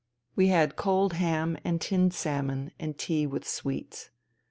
We had cold ham and tinned salmon and tea with sweets.